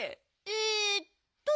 えっと。